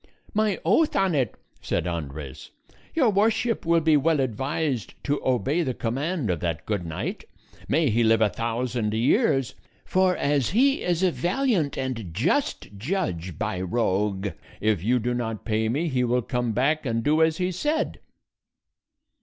"My oath on it," said Andres, "your Worship will be well advised to obey the command of that good knight may he live a thousand years! for as he is a valiant and just judge, by Roque, if you do not pay me, he will come back and do as he said."